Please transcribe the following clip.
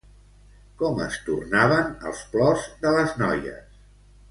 Com es tornaven els plors de les noies?